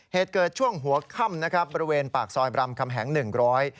เหตุเกิดช่วงหัวค่ำนะครับบริเวณปากซอยบรำคำแหงหนึ่งร้อย